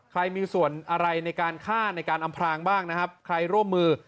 ใครมีส่วนอะไรในการฆ่าในการอำพลางบ้างนะครับใครร่วมมือ